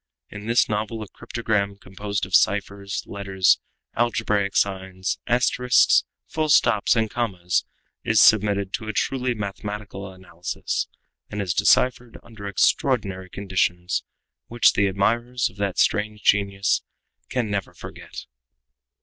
In this novel a cryptogram, composed of ciphers, letters, algebraic signs, asterisks, full stops, and commas, is submitted to a truly mathematical analysis, and is deciphered under extraordinary conditions, which the admirers of that strange genius can never forget.